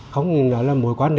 không nói là